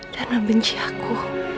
dan membenci aku